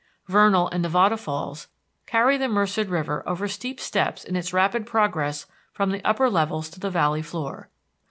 Vernal and Nevada Falls carry the Merced River over steep steps in its rapid progress from the upper levels to the valley floor.